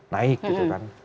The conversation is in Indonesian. naik gitu kan